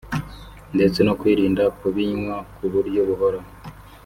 ndetse no kwirinda kubinywa ku buryo buhoraho